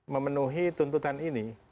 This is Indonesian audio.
memenuhi tuntutan ini